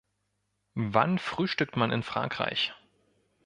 Wann frühstückt man in Frankreich?